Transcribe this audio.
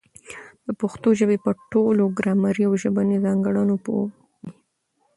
د پښتو ژبي په ټولو ګرامري او ژبنیو ځانګړنو پوه وي.